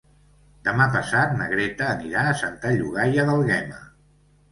Demà passat na Greta anirà a Santa Llogaia d'Àlguema.